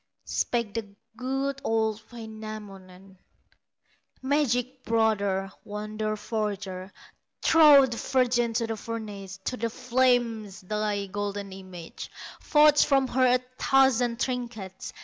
Spake the good, old Wainamoinen: "Magic brother, wonder forger, Throw the virgin to the furnace, To the flames, thy golden image, Forge from her a thousand trinkets.